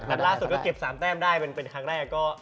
ล่าสุดก็เก็บ๓แต้มได้เป็นครั้งแรกก็